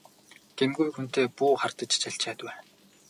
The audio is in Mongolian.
Гэмгүй хүнтэй бүү хардаж чалчаад бай!